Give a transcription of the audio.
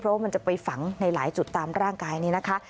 เพราะว่ามันจะไปฝังในหลายจุดตามร่างกายนี้นะคะ